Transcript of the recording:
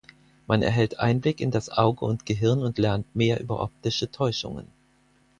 Man erhält Einblick in das Auge und Gehirn und lernt mehr über optische Täuschungen.